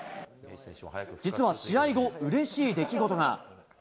実は試合後、うれしい出来事が。